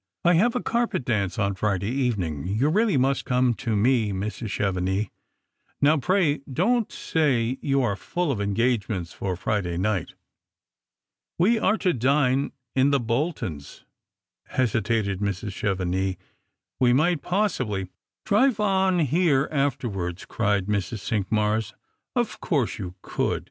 " I have a carpet dance on Friday evening ; you really must come to me, Mrs. Chevenix. Now pray don't say you are full of en gagements for Friday night." " We are to dine in the Boltons," hesitated Mrs. Chevenix ;" we might possibly "" Drive on here afterwards," cried Mrs. Cinqmars ;" of course you could.